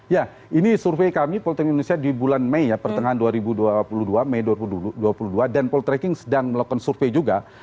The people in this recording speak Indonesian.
ya ini survei kami polting indonesia di bulan mei ya pertengahan dua ribu dua puluh dua mei dua ribu dua puluh dua dan poltreking sedang melakukan survei juga